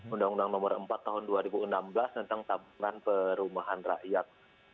undang undang nomor empat tahun dua ribu enam belas tentang tabungan perumahan rakyat